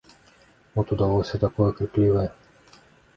От удалося такое крыклівае.